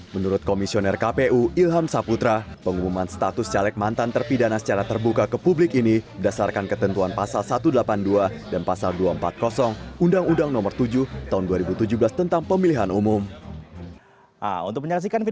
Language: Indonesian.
menurut komisioner kpu ilham saputra pengumuman status caleg mantan terpidana secara terbuka ke publik ini berdasarkan ketentuan pasal satu ratus delapan puluh dua dan pasal dua ratus empat puluh undang undang nomor tujuh tahun dua ribu tujuh belas tentang pemilihan umum